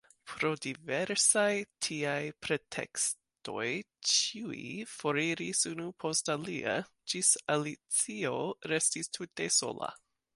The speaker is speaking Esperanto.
Pro diversaj tiaj pretekstoj ĉiuj foriris unu post alia, ĝis Alicio restis tute sola.